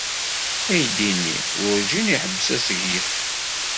Aydi-nni werǧin iḥebbes asseglef.